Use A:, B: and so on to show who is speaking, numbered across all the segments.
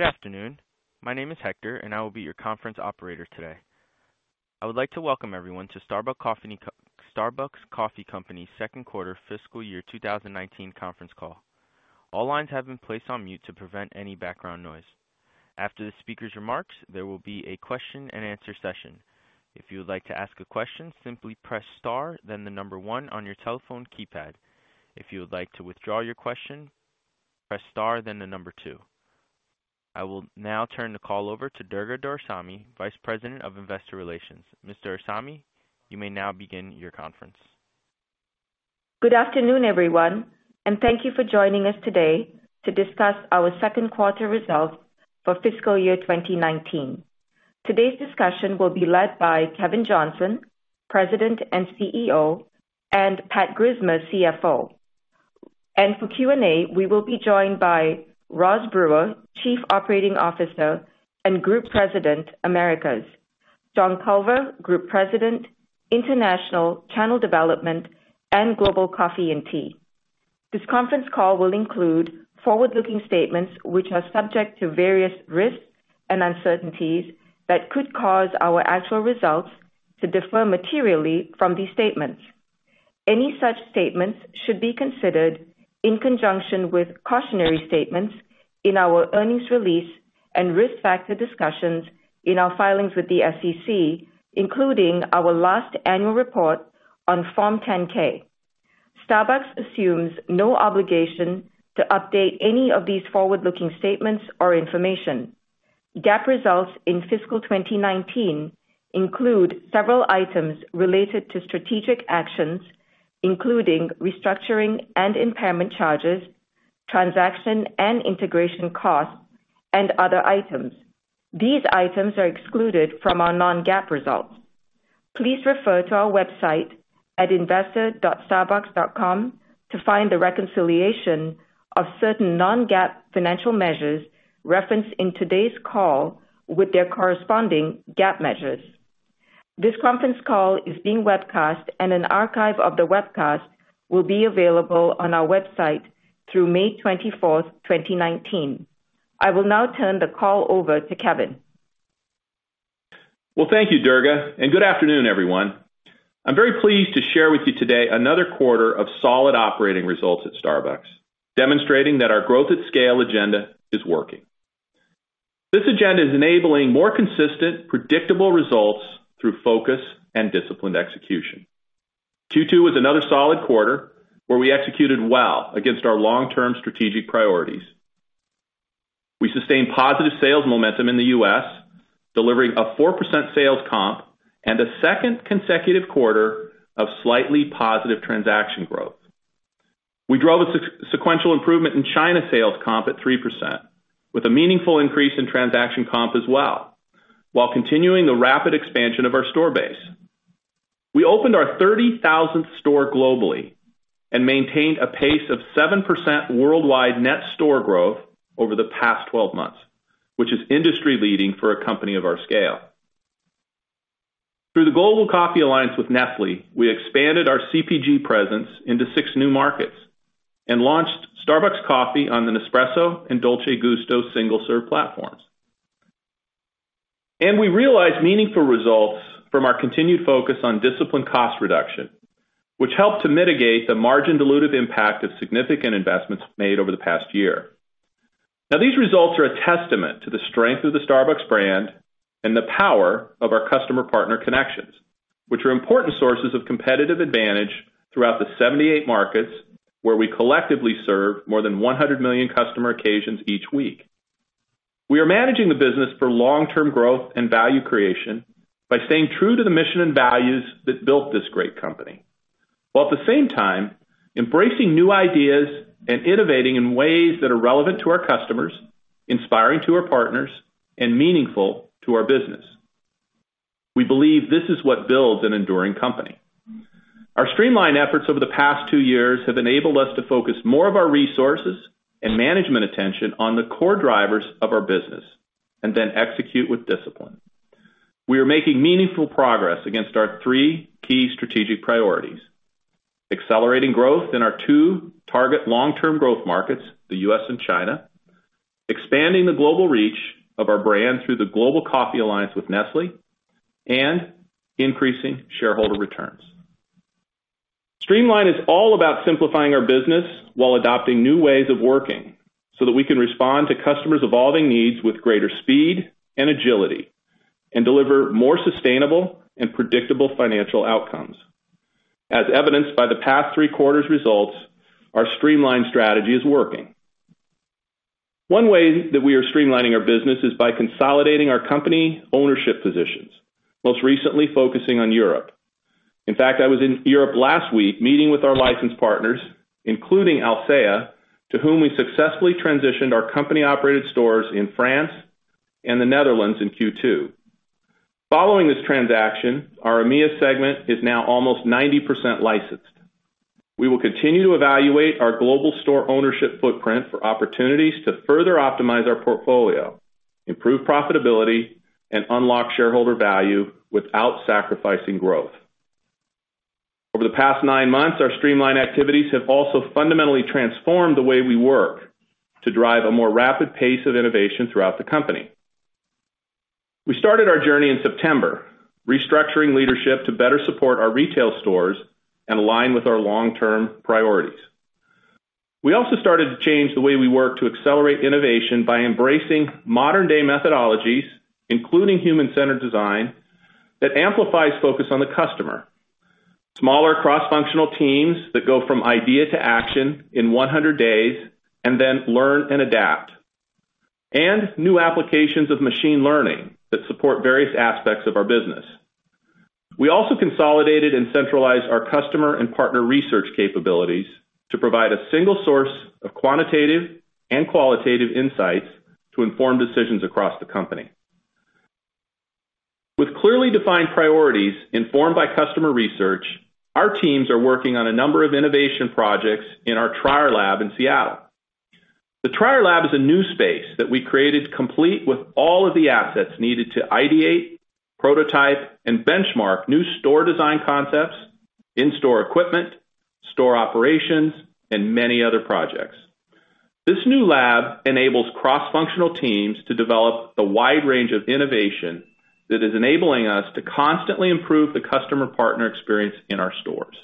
A: Good afternoon. My name is Hector, and I will be your conference operator today. I would like to welcome everyone to Starbucks Coffee Company's second quarter fiscal year 2019 conference call. All lines have been placed on mute to prevent any background noise. After the speaker's remarks, there will be a question and answer session. If you would like to ask a question, simply press star then the number one on your telephone keypad. If you would like to withdraw your question, press star then the number two. I will now turn the call over to Durga Doraisamy, Vice President of Investor Relations. Mr. Doraisamy, you may now begin your conference.
B: Good afternoon, everyone, and thank you for joining us today to discuss our second quarter results for fiscal year 2019. Today's discussion will be led by Kevin Johnson, President and CEO, and Patrick Grismer, CFO. For Q&A, we will be joined by Roz Brewer, Chief Operating Officer and Group President, Americas. John Culver, Group President, International Channel Development and Global Coffee & Tea. This conference call will include forward-looking statements which are subject to various risks and uncertainties that could cause our actual results to differ materially from these statements. Any such statements should be considered in conjunction with cautionary statements in our earnings release and risk factor discussions in our filings with the SEC, including our last annual report on Form 10-K. Starbucks assumes no obligation to update any of these forward-looking statements or information. GAAP results in fiscal 2019 include several items related to strategic actions, including restructuring and impairment charges, transaction and integration costs, and other items. These items are excluded from our non-GAAP results. Please refer to our website at investor.starbucks.com to find the reconciliation of certain non-GAAP financial measures referenced in today's call with their corresponding GAAP measures. This conference call is being webcast, and an archive of the webcast will be available on our website through May 24th, 2019. I will now turn the call over to Kevin.
C: Thank you, Durga, and good afternoon, everyone. I'm very pleased to share with you today another quarter of solid operating results at Starbucks, demonstrating that our growth at scale agenda is working. This agenda is enabling more consistent, predictable results through focus and disciplined execution. Q2 was another solid quarter where we executed well against our long-term strategic priorities. We sustained positive sales momentum in the U.S., delivering a 4% sales comp and a second consecutive quarter of slightly positive transaction growth. We drove a sequential improvement in China sales comp at 3%, with a meaningful increase in transaction comp as well, while continuing the rapid expansion of our store base. We opened our 30,000th store globally and maintained a pace of 7% worldwide net store growth over the past 12 months, which is industry-leading for a company of our scale. Through the Global Coffee Alliance with Nestlé, we expanded our CPG presence into six new markets and launched Starbucks Coffee on the Nespresso and Dolce Gusto single-serve platforms. We realized meaningful results from our continued focus on disciplined cost reduction, which helped to mitigate the margin dilutive impact of significant investments made over the past year. These results are a testament to the strength of the Starbucks brand and the power of our customer partner connections, which are important sources of competitive advantage throughout the 78 markets where we collectively serve more than 100 million customer occasions each week. We are managing the business for long-term growth and value creation by staying true to the mission and values that built this great company, while at the same time embracing new ideas and innovating in ways that are relevant to our customers, inspiring to our partners, and meaningful to our business. We believe this is what builds an enduring company. Our streamline efforts over the past two years have enabled us to focus more of our resources and management attention on the core drivers of our business and then execute with discipline. We are making meaningful progress against our three key strategic priorities. Accelerating growth in our two target long-term growth markets, the U.S. and China. Expanding the global reach of our brand through the Global Coffee Alliance with Nestlé, increasing shareholder returns. Streamline is all about simplifying our business while adopting new ways of working, so that we can respond to customers' evolving needs with greater speed and agility and deliver more sustainable and predictable financial outcomes. As evidenced by the past three quarters results, our streamline strategy is working. One way that we are streamlining our business is by consolidating our company ownership positions, most recently focusing on Europe. In fact, I was in Europe last week meeting with our licensed partners, including Alsea, to whom we successfully transitioned our company-operated stores in France and the Netherlands in Q2. Following this transaction, our EMEA segment is now almost 90% licensed. We will continue to evaluate our global store ownership footprint for opportunities to further optimize our portfolio, improve profitability and unlock shareholder value without sacrificing growth. Over the past nine months, our streamline activities have also fundamentally transformed the way we work to drive a more rapid pace of innovation throughout the company. We started our journey in September, restructuring leadership to better support our retail stores and align with our long-term priorities. We also started to change the way we work to accelerate innovation by embracing modern-day methodologies, including human-centered design that amplifies focus on the customer. Smaller cross-functional teams that go from idea to action in 100 days and then learn and adapt. New applications of machine learning that support various aspects of our business. We also consolidated and centralized our customer and partner research capabilities to provide a single source of quantitative and qualitative insights to inform decisions across the company. With clearly defined priorities informed by customer research, our teams are working on a number of innovation projects in our trial lab in Seattle. The trial lab is a new space that we created complete with all of the assets needed to ideate, prototype, and benchmark new store design concepts, in-store equipment, store operations, and many other projects. This new lab enables cross-functional teams to develop the wide range of innovation that is enabling us to constantly improve the customer partner experience in our stores.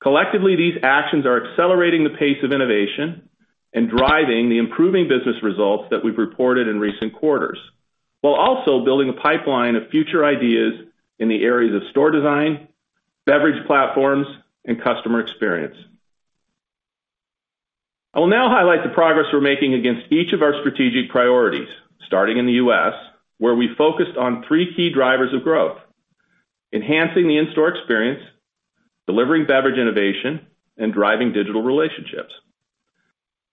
C: Collectively, these actions are accelerating the pace of innovation and driving the improving business results that we've reported in recent quarters, while also building a pipeline of future ideas in the areas of store design, beverage platforms, and customer experience. I will now highlight the progress we're making against each of our strategic priorities, starting in the U.S., where we focused on three key drivers of growth: enhancing the in-store experience, delivering beverage innovation, and driving digital relationships.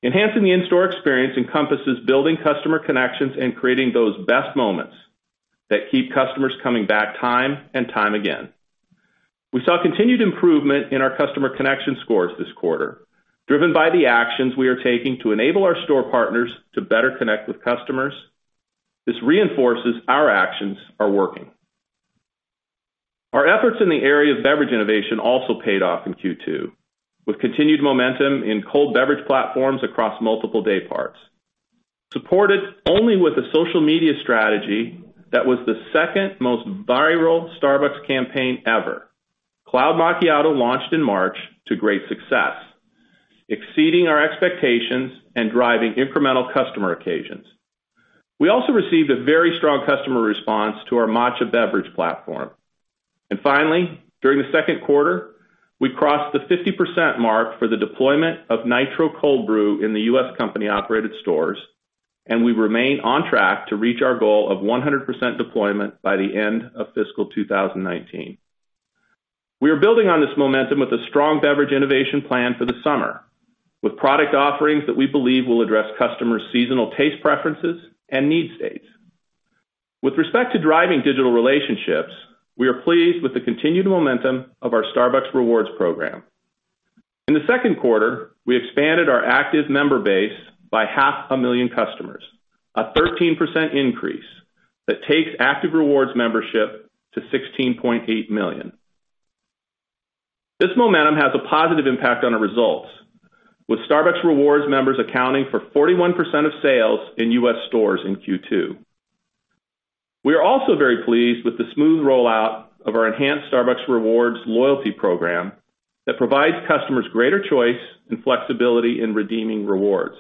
C: Enhancing the in-store experience encompasses building customer connections and creating those best moments that keep customers coming back time and time again. We saw continued improvement in our customer connection scores this quarter, driven by the actions we are taking to enable our store partners to better connect with customers. This reinforces our actions are working. Our efforts in the area of beverage innovation also paid off in Q2, with continued momentum in cold beverage platforms across multiple day parts. Supported only with a social media strategy that was the second most viral Starbucks campaign ever. Cloud Macchiato launched in March to great success, exceeding our expectations and driving incremental customer occasions. Finally, during the second quarter, we crossed the 50% mark for the deployment of Nitro Cold Brew in the U.S. company-operated stores, and we remain on track to reach our goal of 100% deployment by the end of fiscal 2019. We are building on this momentum with a strong beverage innovation plan for the summer, with product offerings that we believe will address customers' seasonal taste preferences and need states. With respect to driving digital relationships, we are pleased with the continued momentum of our Starbucks Rewards program. In the second quarter, we expanded our active member base by half a million customers, a 13% increase that takes active rewards membership to 16.8 million. This momentum has a positive impact on our results, with Starbucks Rewards members accounting for 41% of sales in U.S. stores in Q2. We are also very pleased with the smooth rollout of our enhanced Starbucks Rewards loyalty program that provides customers greater choice and flexibility in redeeming rewards.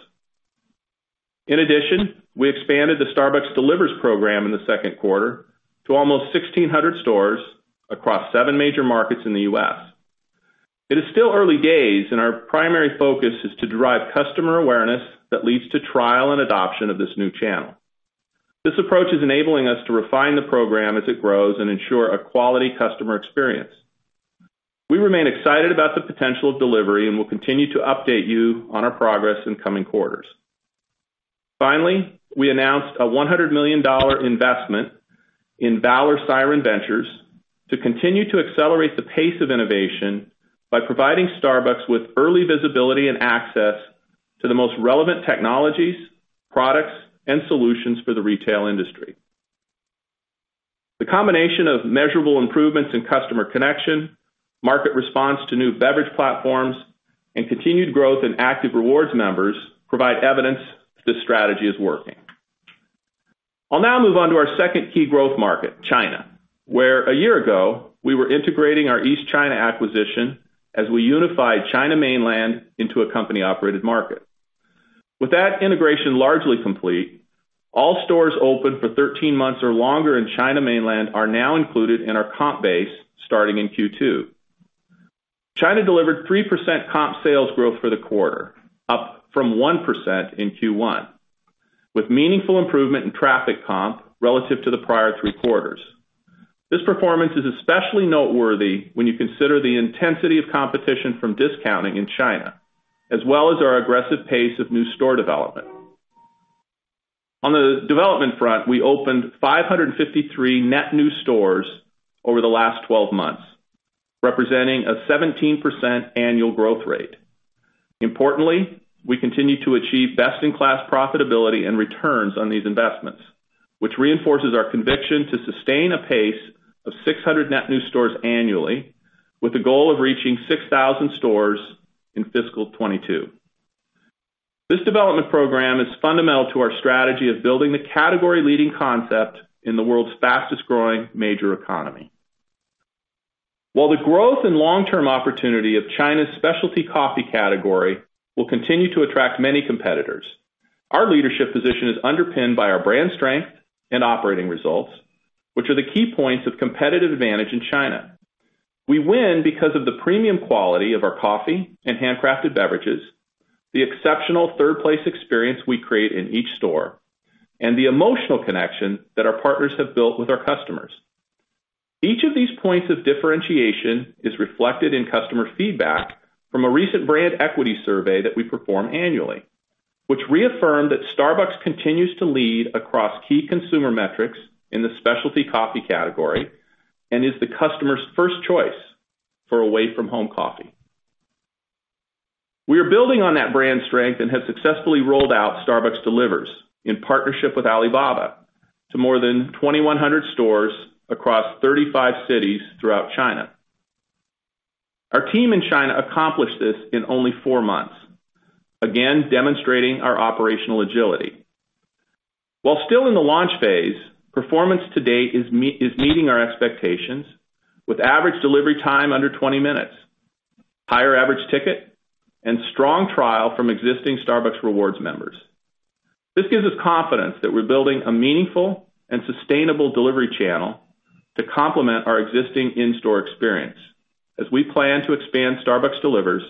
C: In addition, we expanded the Starbucks Delivers program in the second quarter to almost 1,600 stores across seven major markets in the U.S. It is still early days, and our primary focus is to drive customer awareness that leads to trial and adoption of this new channel. This approach is enabling us to refine the program as it grows and ensure a quality customer experience. We remain excited about the potential of delivery and will continue to update you on our progress in coming quarters. Finally, we announced a $100 million investment in Valor Siren Ventures to continue to accelerate the pace of innovation by providing Starbucks with early visibility and access to the most relevant technologies, products, and solutions for the retail industry. The combination of measurable improvements in customer connection, market response to new beverage platforms, and continued growth in active rewards members provide evidence this strategy is working. I'll now move on to our second key growth market, China, where a year ago, we were integrating our East China acquisition as we unified China Mainland into a company-operated market. With that integration largely complete, all stores opened for 13 months or longer in China Mainland are now included in our comp base starting in Q2. China delivered 3% comp sales growth for the quarter, up from 1% in Q1, with meaningful improvement in traffic comp relative to the prior three quarters. This performance is especially noteworthy when you consider the intensity of competition from discounting in China, as well as our aggressive pace of new store development. On the development front, we opened 553 net new stores over the last 12 months, representing a 17% annual growth rate. Importantly, we continue to achieve best-in-class profitability and returns on these investments, which reinforces our conviction to sustain a pace of 600 net new stores annually with the goal of reaching 6,000 stores in fiscal 2022. This development program is fundamental to our strategy of building the category-leading concept in the world's fastest-growing major economy. While the growth and long-term opportunity of China's specialty coffee category will continue to attract many competitors, our leadership position is underpinned by our brand strength and operating results, which are the key points of competitive advantage in China. We win because of the premium quality of our coffee and handcrafted beverages, the exceptional third place experience we create in each store, and the emotional connection that our partners have built with our customers. Each of these points of differentiation is reflected in customer feedback from a recent brand equity survey that we perform annually, which reaffirmed that Starbucks continues to lead across key consumer metrics in the specialty coffee category and is the customer's first choice for away-from-home coffee. We are building on that brand strength and have successfully rolled out Starbucks Delivers in partnership with Alibaba to more than 2,100 stores across 35 cities throughout China. Our team in China accomplished this in only four months, again demonstrating our operational agility. While still in the launch phase, performance to date is meeting our expectations with average delivery time under 20 minutes, higher average ticket, and strong trial from existing Starbucks Rewards members. This gives us confidence that we're building a meaningful and sustainable delivery channel to complement our existing in-store experience as we plan to expand Starbucks Delivers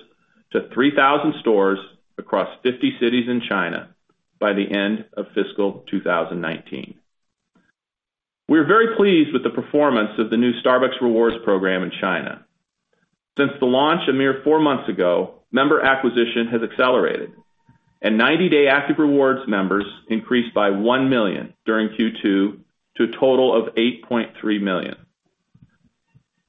C: to 3,000 stores across 50 cities in China by the end of fiscal 2019. We are very pleased with the performance of the new Starbucks Rewards program in China. Since the launch a mere four months ago, member acquisition has accelerated, and 90-day active rewards members increased by one million during Q2 to a total of 8.3 million.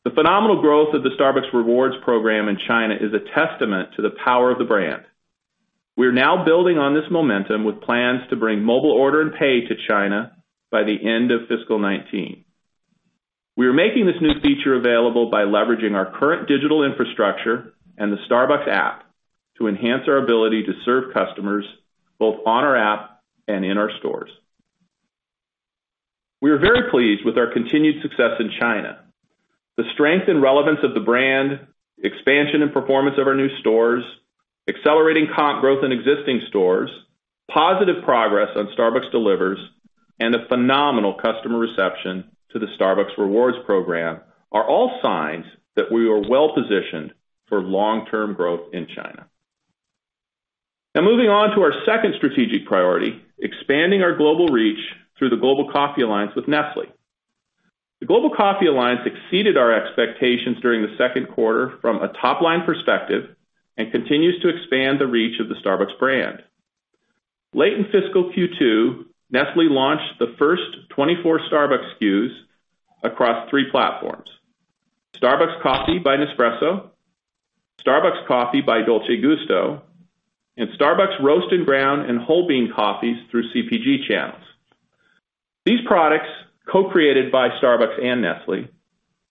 C: The phenomenal growth of the Starbucks Rewards program in China is a testament to the power of the brand. We are now building on this momentum with plans to bring mobile order and pay to China by the end of fiscal 2019. We are making this new feature available by leveraging our current digital infrastructure and the Starbucks app to enhance our ability to serve customers both on our app and in our stores. We are very pleased with our continued success in China. The strength and relevance of the brand, expansion and performance of our new stores, accelerating comp growth in existing stores, positive progress on Starbucks Delivers, and the phenomenal customer reception to the Starbucks Rewards program are all signs that we are well-positioned for long-term growth in China. Moving on to our second strategic priority, expanding our global reach through the Global Coffee Alliance with Nestlé. The Global Coffee Alliance exceeded our expectations during the second quarter from a top-line perspective and continues to expand the reach of the Starbucks brand. Late in fiscal Q2, Nestlé launched the first 24 Starbucks SKUs across 3 platforms. Starbucks Coffee by Nespresso, Starbucks Coffee by Dolce Gusto, and Starbucks roast and ground and whole bean coffees through CPG channels. These products, co-created by Starbucks and Nestlé,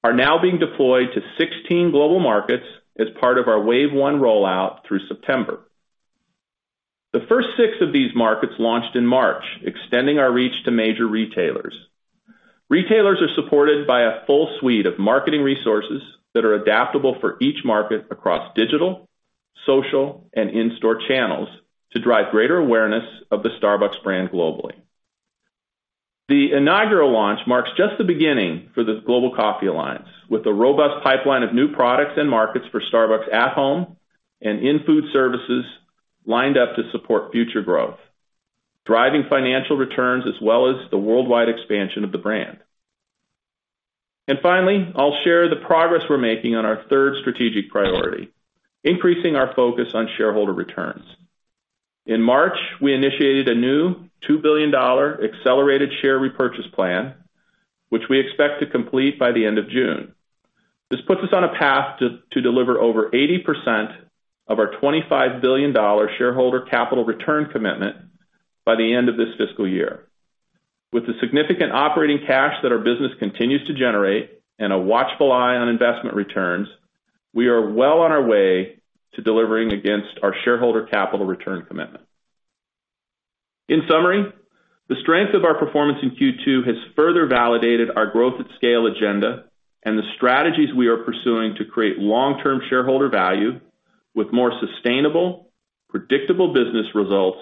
C: are now being deployed to 16 global markets as part of our wave 1 rollout through September. The first six of these markets launched in March, extending our reach to major retailers. Retailers are supported by a full suite of marketing resources that are adaptable for each market across digital, social, and in-store channels to drive greater awareness of the Starbucks brand globally. The inaugural launch marks just the beginning for this Global Coffee Alliance, with a robust pipeline of new products and markets for Starbucks at home and in food services lined up to support future growth, driving financial returns, as well as the worldwide expansion of the brand. Finally, I'll share the progress we're making on our third strategic priority, increasing our focus on shareholder returns. In March, we initiated a new $2 billion accelerated share repurchase plan, which we expect to complete by the end of June. This puts us on a path to deliver over 80% of our $25 billion shareholder capital return commitment by the end of this fiscal year. With the significant operating cash that our business continues to generate and a watchful eye on investment returns, we are well on our way to delivering against our shareholder capital return commitment. In summary, the strength of our performance in Q2 has further validated our growth at scale agenda and the strategies we are pursuing to create long-term shareholder value with more sustainable, predictable business results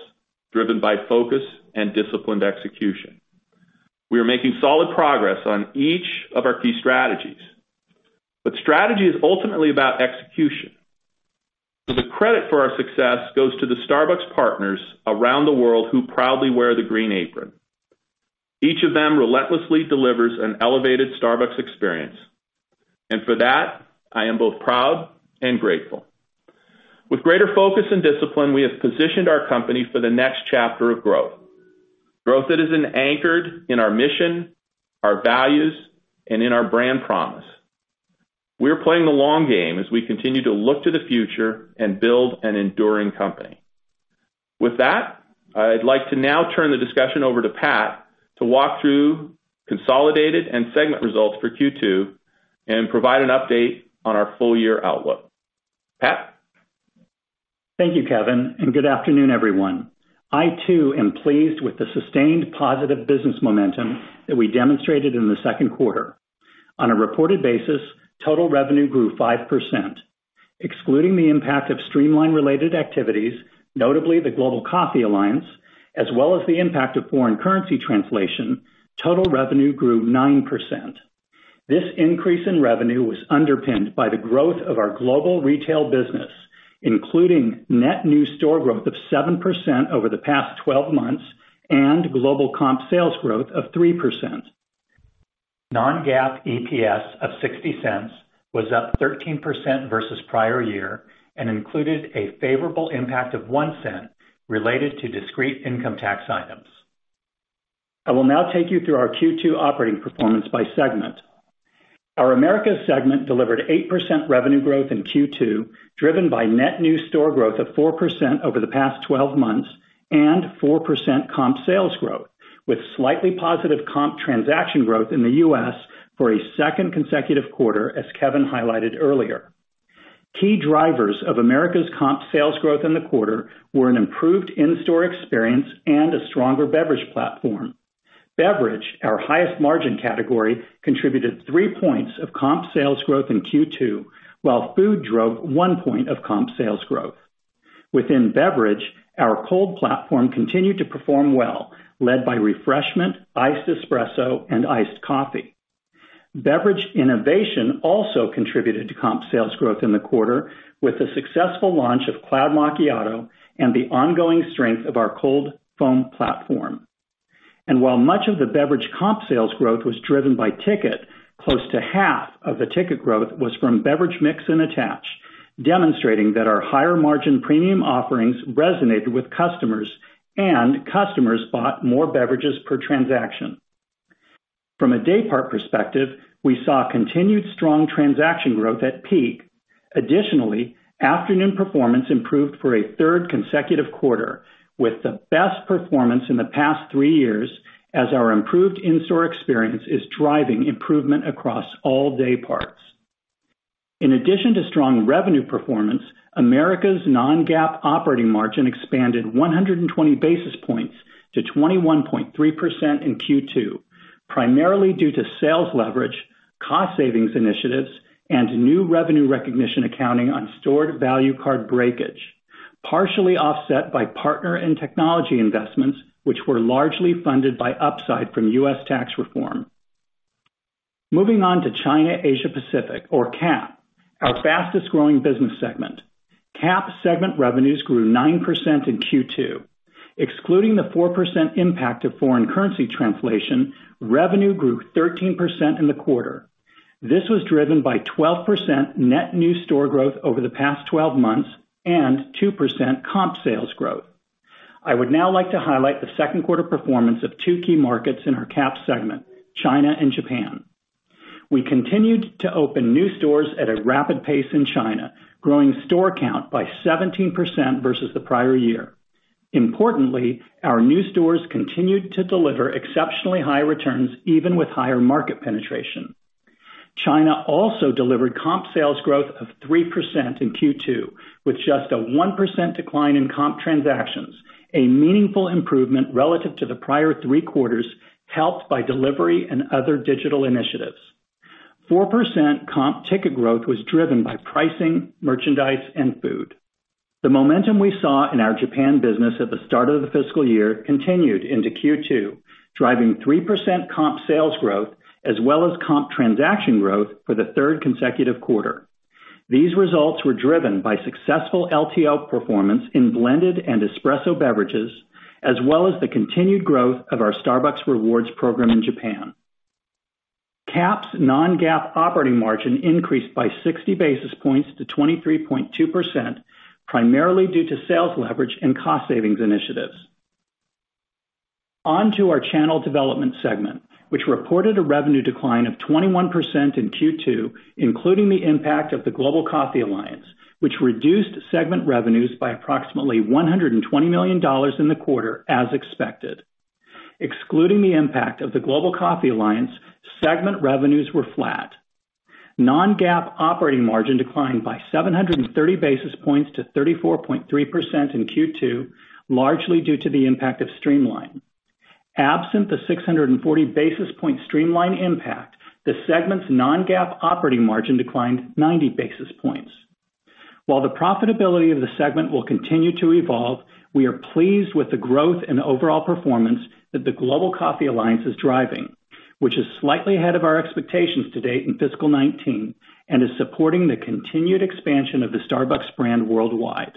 C: driven by focus and disciplined execution. We are making solid progress on each of our key strategies. Strategy is ultimately about execution, so the credit for our success goes to the Starbucks partners around the world who proudly wear the green apron. Each of them relentlessly delivers an elevated Starbucks experience. For that, I am both proud and grateful. With greater focus and discipline, we have positioned our company for the next chapter of growth. Growth that is anchored in our mission, our values, and in our brand promise. We're playing the long game as we continue to look to the future and build an enduring company. With that, I'd like to now turn the discussion over to Pat to walk through consolidated and segment results for Q2, and provide an update on our full year outlook. Pat?
D: Thank you, Kevin, and good afternoon, everyone. I too am pleased with the sustained positive business momentum that we demonstrated in the second quarter. On a reported basis, total revenue grew 5%. Excluding the impact of streamline related activities, notably the Global Coffee Alliance, as well as the impact of foreign currency translation, total revenue grew 9%. This increase in revenue was underpinned by the growth of our global retail business, including net new store growth of 7% over the past 12 months, and global comp sales growth of 3%. Non-GAAP EPS of $0.60 was up 13% versus prior year and included a favorable impact of $0.01 related to discrete income tax items. I will now take you through our Q2 operating performance by segment. Our Americas segment delivered 8% revenue growth in Q2, driven by net new store growth of 4% over the past 12 months and 4% comp sales growth, with slightly positive comp transaction growth in the U.S. for a second consecutive quarter, as Kevin highlighted earlier. Key drivers of Americas comp sales growth in the quarter were an improved in-store experience and a stronger beverage platform. Beverage, our highest margin category, contributed three points of comp sales growth in Q2, while food drove one point of comp sales growth. Within beverage, our cold platform continued to perform well, led by refreshment, iced espresso, and iced coffee. Beverage innovation also contributed to comp sales growth in the quarter with the successful launch of Cloud Macchiato and the ongoing strength of our cold foam platform. While much of the beverage comp sales growth was driven by ticket, close to half of the ticket growth was from beverage mix and attach, demonstrating that our higher margin premium offerings resonated with customers, and customers bought more beverages per transaction. From a daypart perspective, we saw continued strong transaction growth at peak. Additionally, afternoon performance improved for a third consecutive quarter, with the best performance in the past three years as our improved in-store experience is driving improvement across all dayparts. In addition to strong revenue performance, Americas non-GAAP operating margin expanded 120 basis points to 21.3% in Q2, primarily due to sales leverage, cost savings initiatives, and new revenue recognition accounting on stored value card breakage, partially offset by partner and technology investments, which were largely funded by upside from U.S. tax reform. Moving on to China Asia Pacific, or CAP, our fastest growing business segment. CAP segment revenues grew 9% in Q2. Excluding the 4% impact of foreign currency translation, revenue grew 13% in the quarter. This was driven by 12% net new store growth over the past 12 months and 2% comp sales growth. I would now like to highlight the second quarter performance of two key markets in our CAP segment, China and Japan. We continued to open new stores at a rapid pace in China, growing store count by 17% versus the prior year. Importantly, our new stores continued to deliver exceptionally high returns, even with higher market penetration. China also delivered comp sales growth of 3% in Q2, with just a 1% decline in comp transactions, a meaningful improvement relative to the prior three quarters, helped by delivery and other digital initiatives. 4% comp ticket growth was driven by pricing, merchandise, and food. The momentum we saw in our Japan business at the start of the fiscal year continued into Q2, driving 3% comp sales growth as well as comp transaction growth for the third consecutive quarter. These results were driven by successful LTO performance in blended and espresso beverages, as well as the continued growth of our Starbucks Rewards program in Japan. CAP's non-GAAP operating margin increased by 60 basis points to 23.2%, primarily due to sales leverage and cost savings initiatives. On to our Channel Development segment, which reported a revenue decline of 21% in Q2, including the impact of the Global Coffee Alliance, which reduced segment revenues by approximately $120 million in the quarter as expected. Excluding the impact of the Global Coffee Alliance, segment revenues were flat. Non-GAAP operating margin declined by 730 basis points to 34.3% in Q2, largely due to the impact of streamline. Absent the 640 basis point streamline impact, the segment's non-GAAP operating margin declined 90 basis points. While the profitability of the segment will continue to evolve, we are pleased with the growth and overall performance that the Global Coffee Alliance is driving, which is slightly ahead of our expectations to date in fiscal 2019 and is supporting the continued expansion of the Starbucks brand worldwide.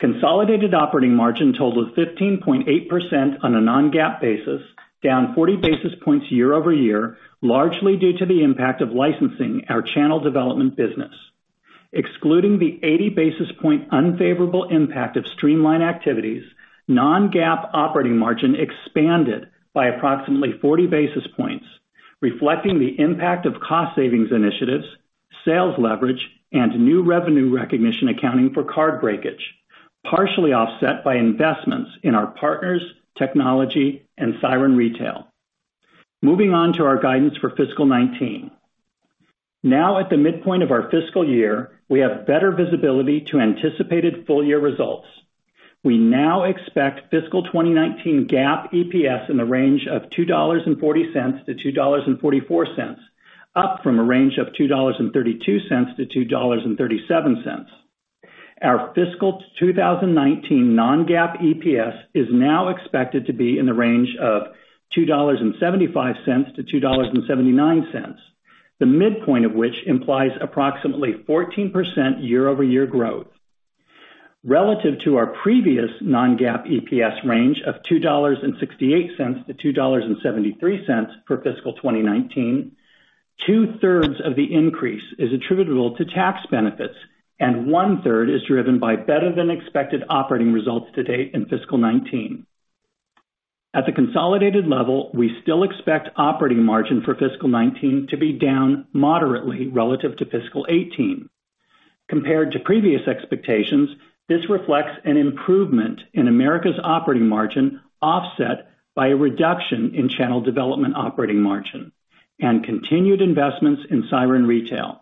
D: Consolidated operating margin totaled 15.8% on a non-GAAP basis, down 40 basis points year-over-year, largely due to the impact of licensing our Channel Development business. Excluding the 80 basis point unfavorable impact of streamline activities, non-GAAP operating margin expanded by approximately 40 basis points, reflecting the impact of cost savings initiatives, sales leverage, and new revenue recognition accounting for card breakage, partially offset by investments in our partners, technology, and Siren Retail. Moving on to our guidance for fiscal 2019. Now at the midpoint of our fiscal year, we have better visibility to anticipated full year results. We now expect fiscal 2019 GAAP EPS in the range of $2.40-$2.44, up from a range of $2.32-$2.37. Our fiscal 2019 non-GAAP EPS is now expected to be in the range of $2.75-$2.79, the midpoint of which implies approximately 14% year-over-year growth. Relative to our previous non-GAAP EPS range of $2.68-$2.73 per fiscal 2019, two-thirds of the increase is attributable to tax benefits, and one-third is driven by better than expected operating results to date in fiscal 2019. At the consolidated level, we still expect operating margin for fiscal 2019 to be down moderately relative to fiscal 2018. Compared to previous expectations, this reflects an improvement in Americas operating margin offset by a reduction in channel development operating margin and continued investments in Siren Retail.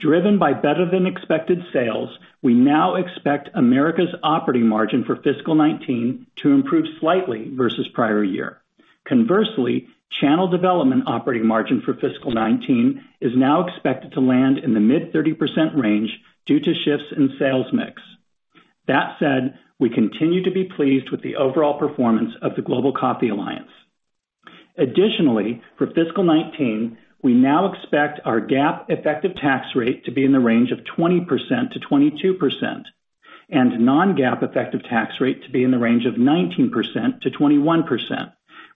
D: Driven by better than expected sales, we now expect Americas operating margin for fiscal 2019 to improve slightly versus prior year. Conversely, channel development operating margin for fiscal 2019 is now expected to land in the mid-30% range due to shifts in sales mix. That said, we continue to be pleased with the overall performance of the Global Coffee Alliance. Additionally, for fiscal 2019, we now expect our GAAP effective tax rate to be in the range of 20%-22%, and non-GAAP effective tax rate to be in the range of 19%-21%,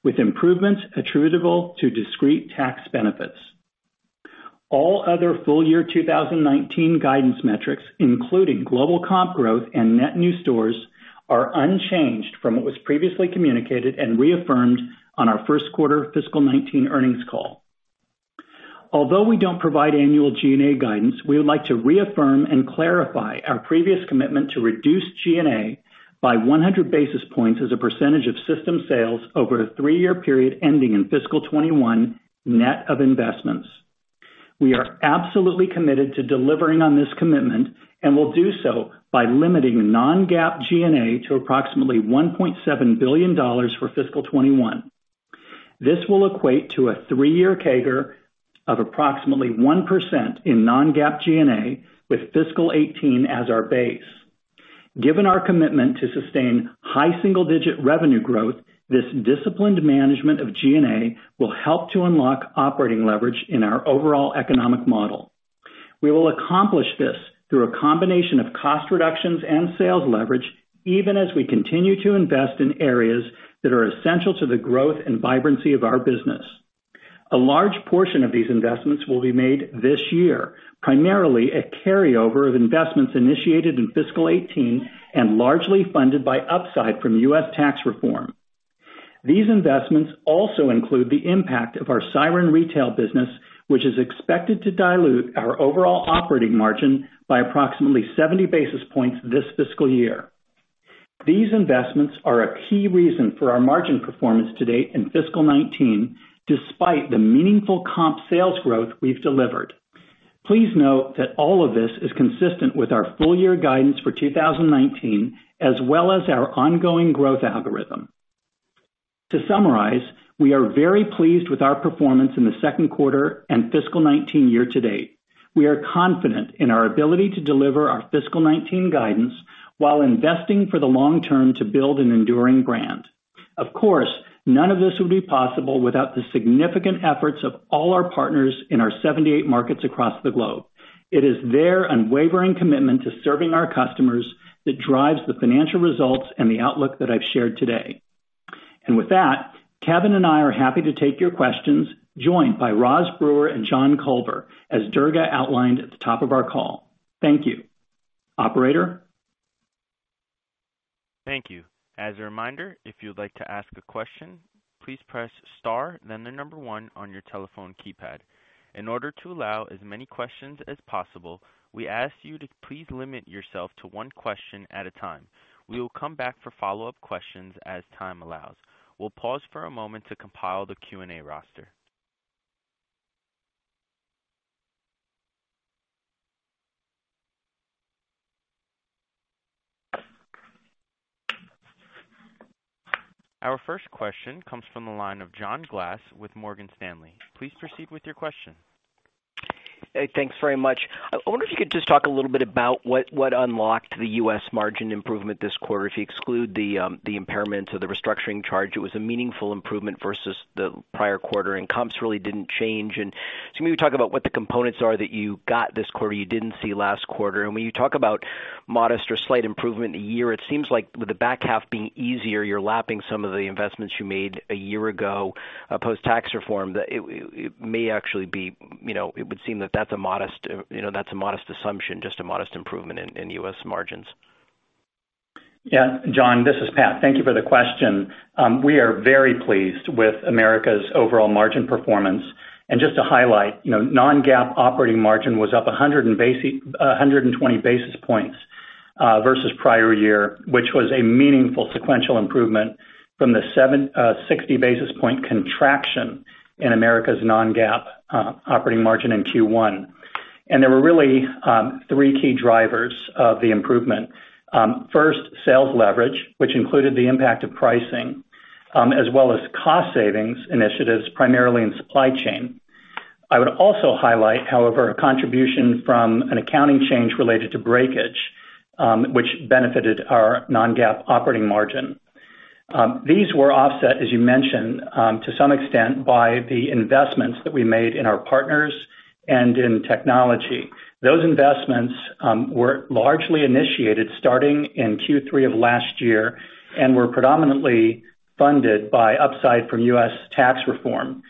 D: with improvements attributable to discrete tax benefits. All other full year 2019 guidance metrics, including global comp growth and net new stores, are unchanged from what was previously communicated and reaffirmed on our first quarter fiscal 2019 earnings call. Although we don't provide annual G&A guidance, we would like to reaffirm and clarify our previous commitment to reduce G&A by 100 basis points as a percentage of system sales over a three-year period ending in fiscal 2021, net of investments. We are absolutely committed to delivering on this commitment and will do so by limiting non-GAAP G&A to approximately $1.7 billion for fiscal 2021. This will equate to a three-year CAGR of approximately 1% in non-GAAP G&A with fiscal 2018 as our base. Given our commitment to sustain high single-digit revenue growth, this disciplined management of G&A will help to unlock operating leverage in our overall economic model. We will accomplish this through a combination of cost reductions and sales leverage, even as we continue to invest in areas that are essential to the growth and vibrancy of our business. A large portion of these investments will be made this year, primarily a carryover of investments initiated in fiscal 2018 and largely funded by upside from U.S. tax reform. These investments also include the impact of our Siren Retail business, which is expected to dilute our overall operating margin by approximately 70 basis points this fiscal year. These investments are a key reason for our margin performance to date in fiscal 2019, despite the meaningful comp sales growth we've delivered. Please note that all of this is consistent with our full year guidance for 2019, as well as our ongoing growth algorithm. To summarize, we are very pleased with our performance in the second quarter and fiscal 2019 year to date. We are confident in our ability to deliver our fiscal 2019 guidance while investing for the long term to build an enduring brand. Of course, none of this would be possible without the significant efforts of all our partners in our 78 markets across the globe. It is their unwavering commitment to serving our customers that drives the financial results and the outlook that I've shared today. Kevin and I are happy to take your questions, joined by Roz Brewer and John Culver, as Durga outlined at the top of our call. Thank you. Operator?
A: Thank you. As a reminder, if you'd like to ask a question, please press star, then the number one on your telephone keypad. In order to allow as many questions as possible, we ask you to please limit yourself to one question at a time. We will come back for follow-up questions as time allows. We will pause for a moment to compile the Q&A roster. Our first question comes from the line of John Glass with Morgan Stanley. Please proceed with your question.
E: Hey, thanks very much. I wonder if you could just talk a little bit about what unlocked the U.S. margin improvement this quarter. If you exclude the impairments or the restructuring charge, it was a meaningful improvement versus the prior quarter, and comps really didn't change. Maybe talk about what the components are that you got this quarter you didn't see last quarter. When you talk about modest or slight improvement in a year, it seems like with the back half being easier, you're lapping some of the investments you made a year ago post-tax reform, that it would seem that that's a modest assumption, just a modest improvement in U.S. margins.
D: Yeah. John, this is Pat. Thank you for the question. We are very pleased with Americas' overall margin performance. Just to highlight, non-GAAP operating margin was up 120 basis points versus prior year, which was a meaningful sequential improvement from the 60 basis point contraction in Americas' non-GAAP operating margin in Q1. There were really three key drivers of the improvement. First, sales leverage, which included the impact of pricing, as well as cost savings initiatives, primarily in supply chain. I would also highlight, however, a contribution from an accounting change related to breakage, which benefited our non-GAAP operating margin. These were offset, as you mentioned, to some extent by the investments that we made in our partners and in technology. Those investments were largely initiated starting in Q3 of last year and were predominantly funded by upside from U.S. tax reform.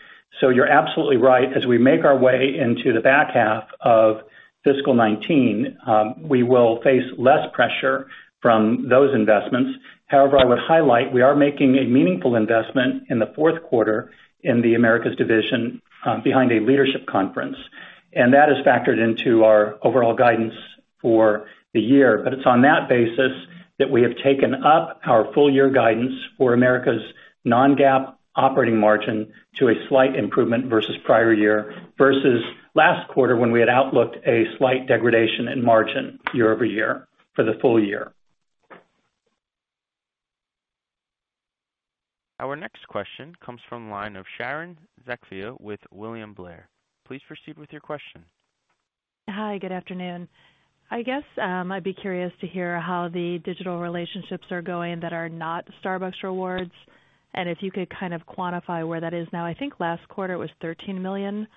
D: You're absolutely right. As we make our way into the back half of fiscal 2019, we will face less pressure from those investments. However, I would highlight, we are making a meaningful investment in the fourth quarter in the Americas division behind a leadership conference, and that is factored into our overall guidance for the year. It's on that basis that we have taken up our full year guidance for Americas' non-GAAP operating margin to a slight improvement versus prior year, versus last quarter when we had outlooked a slight degradation in margin year-over-year for the full year.
A: Our next question comes from the line of Sharon Zackfia with William Blair. Please proceed with your question.
F: Hi, good afternoon. I guess, I'd be curious to hear how the digital relationships are going that are not Starbucks Rewards, and if you could kind of quantify where that is now, I think last quarter it was $13 million,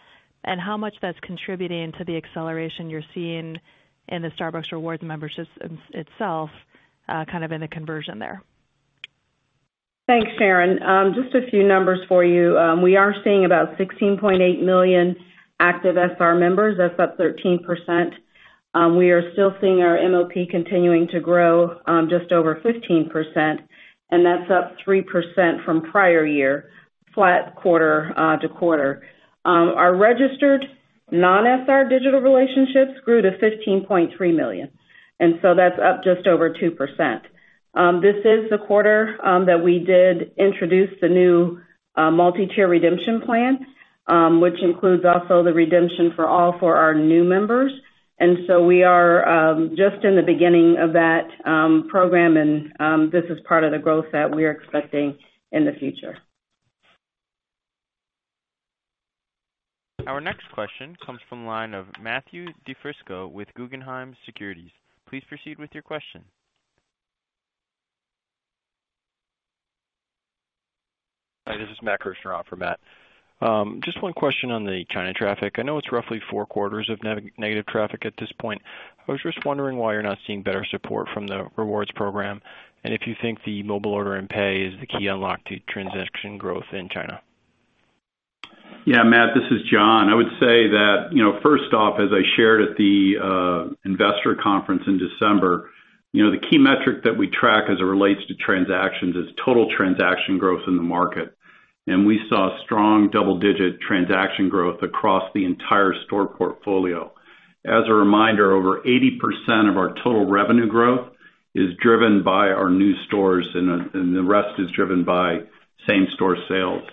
F: and how much that's contributing to the acceleration you're seeing in the Starbucks Rewards memberships itself, kind of in the conversion there.
G: Thanks, Sharon. Just a few numbers for you. We are seeing about 16.8 million active SR members. That's up 13%. We are still seeing our MOP continuing to grow, just over 15%, and that's up 3% from prior year, flat quarter-to-quarter. Our registered non-SR digital relationships grew to $15.3 million. That's up just over 2%. This is the quarter that we did introduce the new multi-tier redemption plan, which includes also the redemption for all for our new members. We are just in the beginning of that program, and this is part of the growth that we're expecting in the future.
A: Our next question comes from the line of Matthew DiFrisco with Guggenheim Securities. Please proceed with your question.
H: Hi, this is Matt Kirschner in for Matt. Just one question on the China traffic. I know it's roughly four quarters of negative traffic at this point. I was just wondering why you're not seeing better support from the Starbucks Rewards program, and if you think the mobile order and pay is the key unlock to transaction growth in China.
I: Matt, this is John. I would say that, first off, as I shared at the investor conference in December, the key metric that we track as it relates to transactions is total transaction growth in the market. We saw strong double-digit transaction growth across the entire store portfolio. As a reminder, over 80% of our total revenue growth is driven by our new stores, and the rest is driven by same store sales.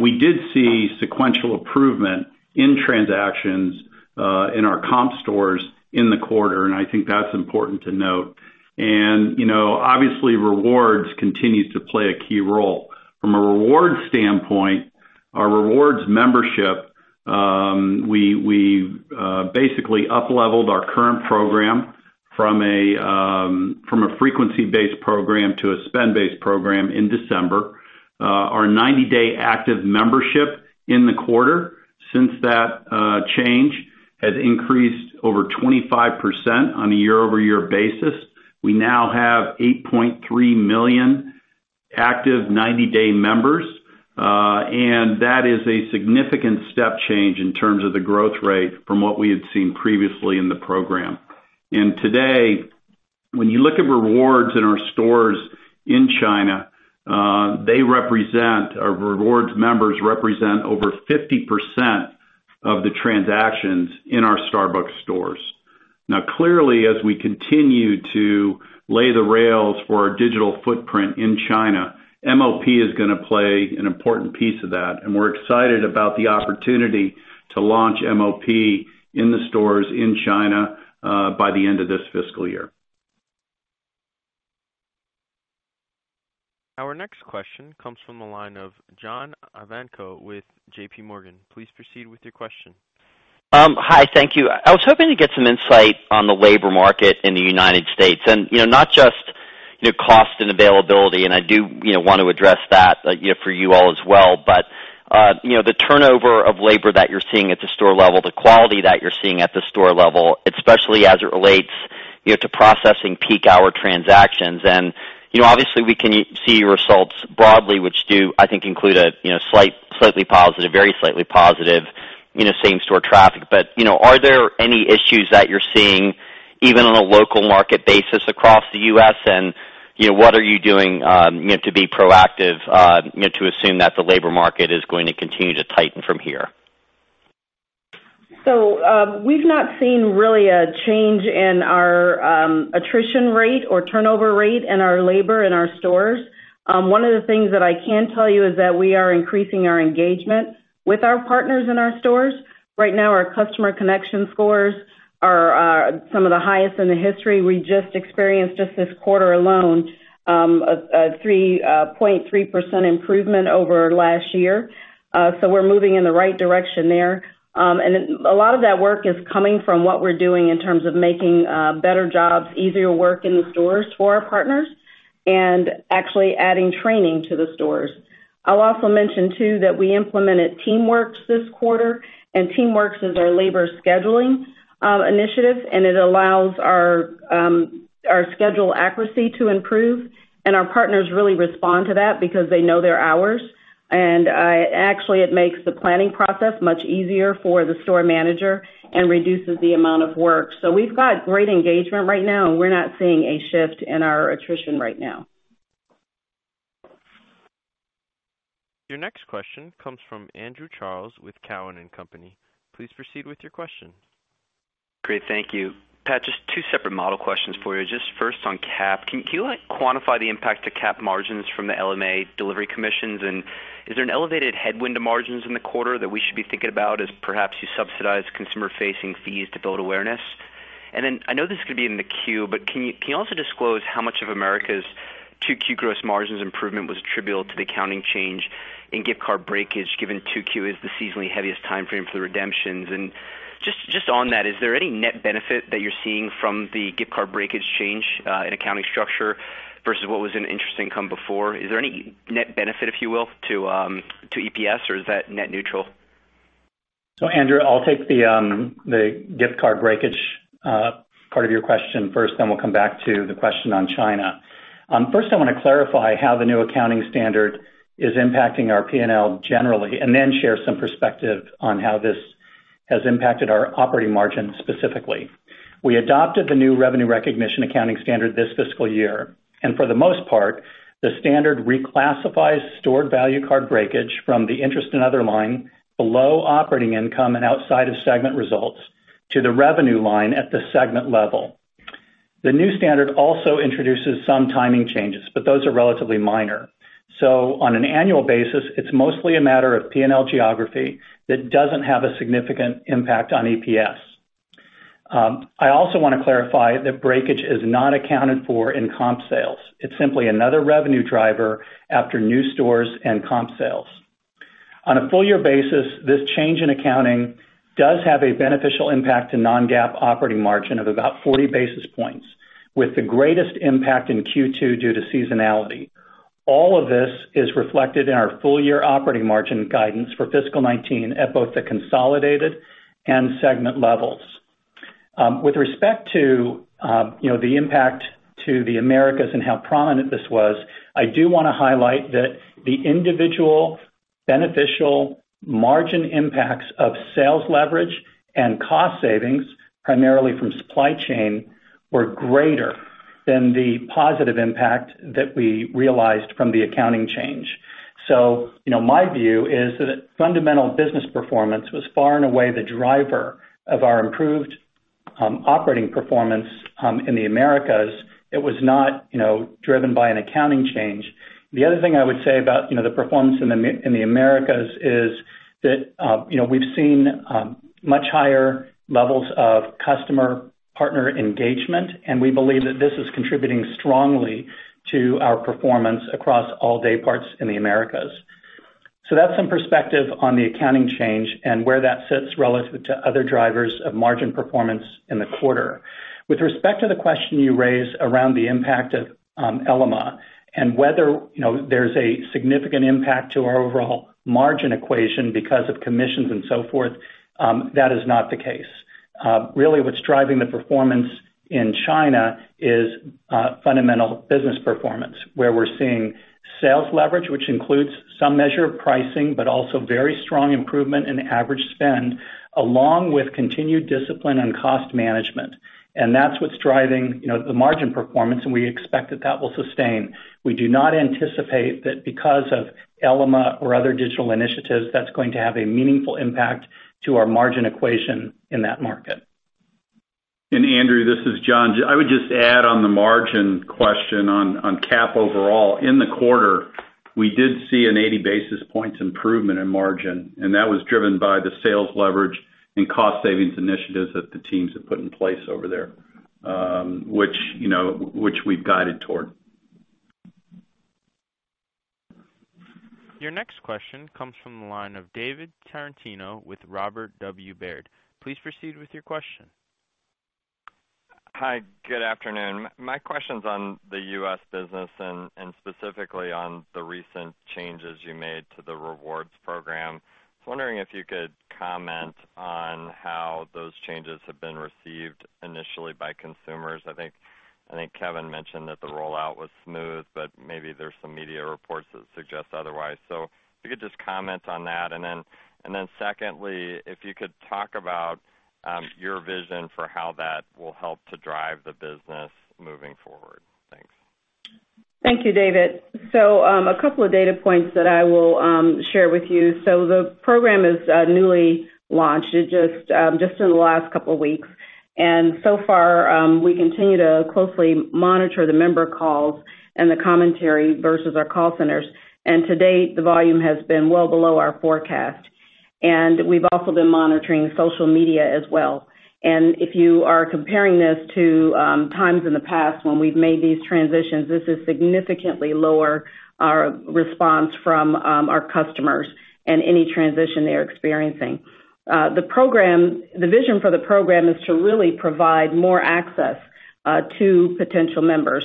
I: We did see sequential improvement in transactions, in our comp stores in the quarter, and I think that's important to note. Obviously, Starbucks Rewards continues to play a key role. From a Starbucks Rewards standpoint, our Starbucks Rewards membership, we basically upleveled our current program from a frequency-based program to a spend-based program in December. Our 90-day active membership in the quarter since that change has increased over 25% on a year-over-year basis. We now have 8.3 million active 90-day members. That is a significant step change in terms of the growth rate from what we had seen previously in the program. Today, when you look at Starbucks Rewards in our stores in China, our Starbucks Rewards members represent over 50% of the transactions in our Starbucks stores. Clearly, as we continue to lay the rails for our digital footprint in China, MOP is going to play an important piece of that, and we're excited about the opportunity to launch MOP in the stores in China, by the end of this fiscal year.
A: Our next question comes from the line of John Ivankoe with JP Morgan. Please proceed with your question.
J: Hi, thank you. I was hoping to get some insight on the labor market in the U.S. and not just cost and availability. I do want to address that for you all as well. The turnover of labor that you're seeing at the store level, the quality that you're seeing at the store level, especially as it relates to processing peak hour transactions. Obviously we can see results broadly, which do, I think, include a very slightly positive same-store traffic. Are there any issues that you're seeing, even on a local market basis across the U.S., and what are you doing to be proactive to assume that the labor market is going to continue to tighten from here?
G: We've not seen really a change in our attrition rate or turnover rate in our labor in our stores. One of the things that I can tell you is that we are increasing our engagement with our partners in our stores. Right now, our customer connection scores are some of the highest in the history. We just experienced, just this quarter alone, a 3.3% improvement over last year. We're moving in the right direction there. A lot of that work is coming from what we're doing in terms of making better jobs, easier work in the stores for our partners, and actually adding training to the stores. I'll also mention, too, that we implemented TeamWorks this quarter. TeamWorks is our labor scheduling initiative. It allows our schedule accuracy to improve. Our partners really respond to that because they know their hours. Actually it makes the planning process much easier for the store manager and reduces the amount of work. We've got great engagement right now, and we're not seeing a shift in our attrition right now.
A: Your next question comes from Andrew Charles with Cowen and Company. Please proceed with your question.
K: Great. Thank you. Pat, just two separate model questions for you. First on CAP. Can you quantify the impact to CAP margins from the Ele.me delivery commissions, and is there an elevated headwind to margins in the quarter that we should be thinking about as perhaps you subsidize consumer-facing fees to build awareness? I know this is going to be in the queue, but can you also disclose how much of Americas' 2Q gross margins improvement was attributable to the accounting change in gift card breakage, given 2Q is the seasonally heaviest timeframe for the redemptions. On that, is there any net benefit that you're seeing from the gift card breakage change in accounting structure versus what was in interest income before? Is there any net benefit, if you will, to EPS or is that net neutral?
D: Andrew, I'll take the gift card breakage part of your question first, then we'll come back to the question on China. First, I want to clarify how the new accounting standard is impacting our P&L generally, and then share some perspective on how this has impacted our operating margin specifically. We adopted the new revenue recognition accounting standard this fiscal year, and for the most part, the standard reclassifies stored value card breakage from the interest in other line below operating income and outside of segment results to the revenue line at the segment level. The new standard also introduces some timing changes, but those are relatively minor. On an annual basis, it's mostly a matter of P&L geography that doesn't have a significant impact on EPS. I also want to clarify that breakage is not accounted for in comp sales. It's simply another revenue driver after new stores and comp sales. On a full year basis, this change in accounting does have a beneficial impact to non-GAAP operating margin of about 40 basis points, with the greatest impact in Q2 due to seasonality. All of this is reflected in our full-year operating margin guidance for fiscal 2019 at both the consolidated and segment levels. With respect to the impact to the Americas and how prominent this was, I do want to highlight that the individual beneficial margin impacts of sales leverage and cost savings, primarily from supply chain, were greater than the positive impact that we realized from the accounting change. My view is that fundamental business performance was far and away the driver of our improved operating performance in the Americas. It was not driven by an accounting change. The other thing I would say about the performance in the Americas is that we've seen much higher levels of customer-partner engagement, and we believe that this is contributing strongly to our performance across all day parts in the Americas. That's some perspective on the accounting change and where that sits relative to other drivers of margin performance in the quarter. With respect to the question you raised around the impact of Ele.me and whether there's a significant impact to our overall margin equation because of commissions and so forth, that is not the case. Really what's driving the performance in China is fundamental business performance, where we're seeing sales leverage, which includes some measure of pricing, but also very strong improvement in average spend, along with continued discipline and cost management. That's what's driving the margin performance, and we expect that that will sustain. We do not anticipate that because of Ele.me or other digital initiatives, that's going to have a meaningful impact to our margin equation in that market.
I: Andrew, this is John. I would just add on the margin question on CAP overall in the quarter. We did see an 80 basis points improvement in margin, and that was driven by the sales leverage and cost savings initiatives that the teams have put in place over there, which we've guided toward.
A: Your next question comes from the line of David Tarantino with Robert W. Baird. Please proceed with your question.
L: Hi, good afternoon. My question's on the U.S. business, specifically on the recent changes you made to the Starbucks Rewards program. I was wondering if you could comment on how those changes have been received initially by consumers. I think Kevin mentioned that the rollout was smooth, maybe there's some media reports that suggest otherwise. If you could just comment on that. Secondly, if you could talk about your vision for how that will help to drive the business moving forward. Thanks.
G: Thank you, David. A couple of data points that I will share with you. The Starbucks Rewards program is newly launched, just in the last couple of weeks. So far, we continue to closely monitor the member calls and the commentary versus our call centers. To date, the volume has been well below our forecast. We've also been monitoring social media as well. If you are comparing this to times in the past when we've made these transitions, this is significantly lower response from our customers and any transition they're experiencing. The vision for the Starbucks Rewards program is to really provide more access to potential members.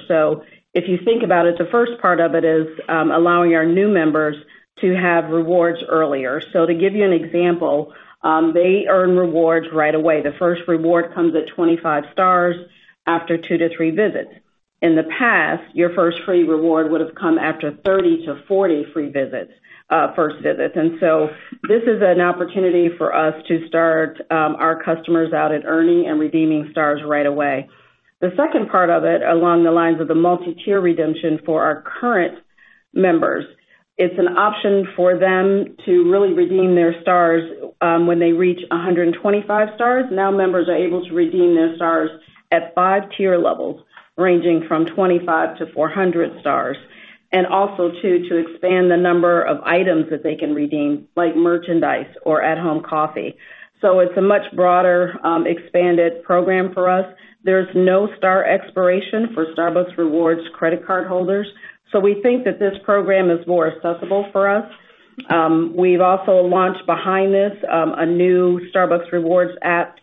G: If you think about it, the first part of it is allowing our new members to have rewards earlier. To give you an example, they earn rewards right away. The first reward comes at 25 stars after two to three visits. In the past, your first free reward would've come after 30 to 40 first visits. This is an opportunity for us to start our customers out at earning and redeeming stars right away. The second part of it, along the lines of the multi-tier redemption for our current members, it's an option for them to really redeem their stars when they reach 125 stars. Now members are able to redeem their stars at 5 tier levels, ranging from 25 to 400 stars. Also too, to expand the number of items that they can redeem, like merchandise or at-home coffee. It's a much broader, expanded program for us. There's no star expiration for Starbucks Rewards credit card holders. We think that this program is more accessible for us. We've also launched behind this, a new Starbucks Rewards app,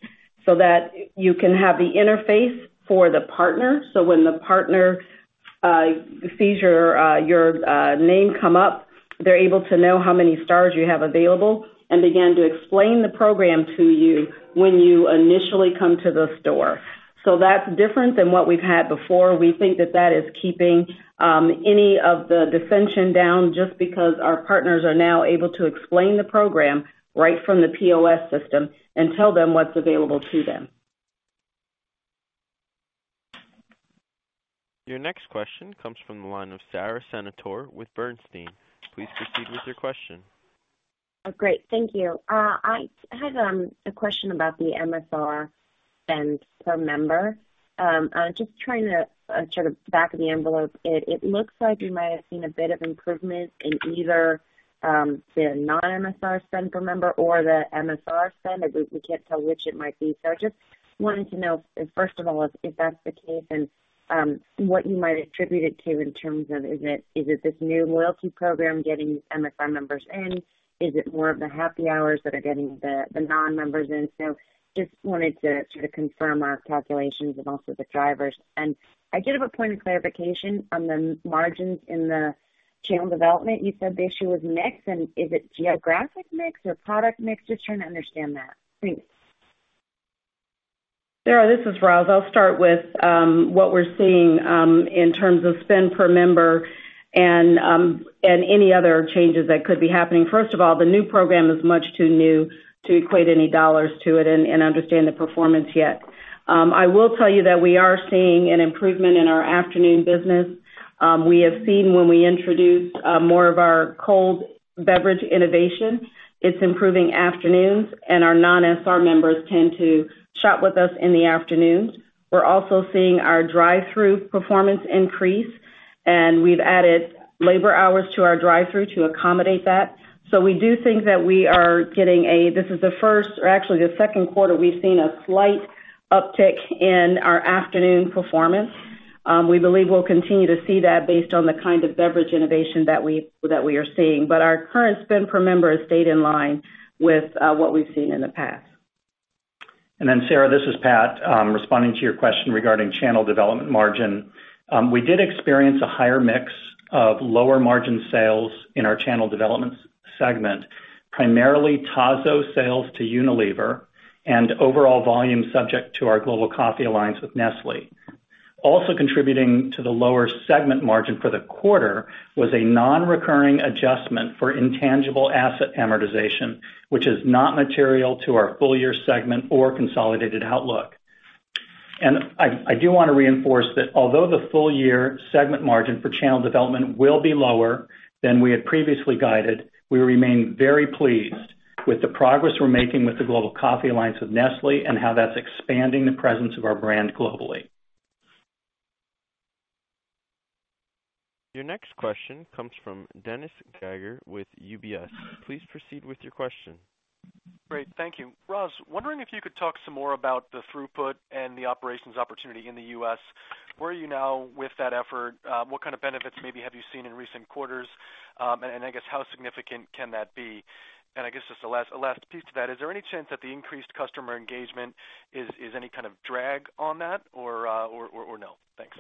G: so that you can have the interface for the partner. When the partner sees your name come up, they're able to know how many stars you have available and begin to explain the Starbucks Rewards program to you when you initially come to the store. That's different than what we've had before. We think that that is keeping any of the dissension down just because our partners are now able to explain the Starbucks Rewards program right from the POS system and tell them what's available to them.
A: Your next question comes from the line of Sara Senatore with Bernstein. Please proceed with your question.
M: Great. Thank you. I had a question about the MSR spend per member. Just trying to back of the envelope it looks like you might have seen a bit of improvement in either the non-MSR spend per member or the MSR spend, we can't tell which it might be. I just wanted to know if, first of all, if that's the case, and what you might attribute it to in terms of, is it this new loyalty program getting MSR members in? Is it more of the happy hours that are getting the non-members in? Just wanted to confirm our calculations and also the drivers. I did have a point of clarification on the margins in the channel development. You said the issue was mix, and is it geographic mix or product mix? Just trying to understand that. Thanks.
G: Sara, this is Roz. I'll start with what we're seeing in terms of spend per member and any other changes that could be happening. First of all, the new program is much too new to equate any dollars to it and understand the performance yet. I will tell you that we are seeing an improvement in our afternoon business. We have seen when we introduced more of our cold beverage innovation, it's improving afternoons, and our non-MSR members tend to shop with us in the afternoons. We're also seeing our drive-thru performance increase, and we've added labor hours to our drive-thru to accommodate that. We do think that we are getting this is the first or actually the second quarter we've seen a slight uptick in our afternoon performance. We believe we'll continue to see that based on the kind of beverage innovation that we are seeing. Our current spend per member has stayed in line with what we've seen in the past.
D: Sarah, this is Pat. Responding to your question regarding channel development margin. We did experience a higher mix of lower margin sales in our channel development segment, primarily Tazo sales to Unilever and overall volume subject to our Global Coffee Alliance with Nestlé. Also contributing to the lower segment margin for the quarter was a non-recurring adjustment for intangible asset amortization, which is not material to our full-year segment or consolidated outlook. I do want to reinforce that although the full-year segment margin for channel development will be lower than we had previously guided, we remain very pleased with the progress we're making with the Global Coffee Alliance with Nestlé and how that's expanding the presence of our brand globally.
A: Your next question comes from Dennis Geiger with UBS. Please proceed with your question.
N: Great. Thank you. Roz, wondering if you could talk some more about the throughput and the operations opportunity in the U.S. Where are you now with that effort? What kind of benefits maybe have you seen in recent quarters? I guess how significant can that be? I guess just a last piece to that, is there any chance that the increased customer engagement is any kind of drag on that or no? Thanks.